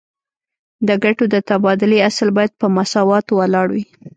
د ګټو د تبادلې اصل باید په مساواتو ولاړ وي